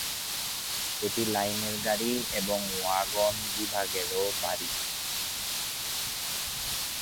এটি লাইনের গাড়ি এবং ওয়াগন বিভাগেরও বাড়ি।